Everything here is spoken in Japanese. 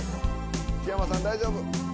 木山さん大丈夫。